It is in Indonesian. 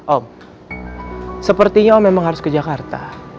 om sepertinya om memang harus ke jakarta